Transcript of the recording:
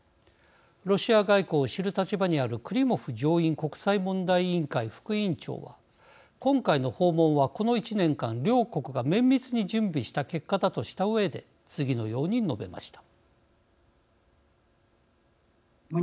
ロシア外交を知る立場にあるクリモフ上院国際問題委員会副委員長は今回の訪問はこの１年間、両国が綿密に準備した結果だとしたうえで次のように述べました。